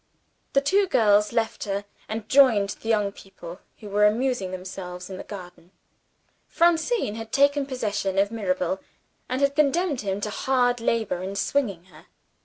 The two girls left her, and joined the young people who were amusing themselves in the garden. Francine had taken possession of Mirabel, and had condemned him to hard labor in swinging her.